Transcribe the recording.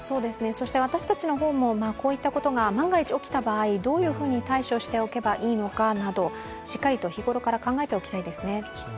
私たちも今後、このような言葉起きた場合どういうふうに対処しておけばいいのかなどしっかりと日頃から考えておきたいですね。